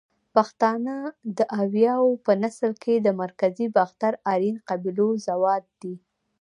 پښتانه ده اریاو په نسل کښی ده مرکزی باختر آرین قبیلو زواد دی